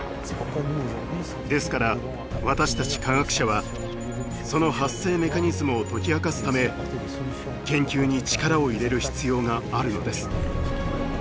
ですから私たち科学者はその発生メカニズムを解き明かすため研究に力を入れる必要があるのです。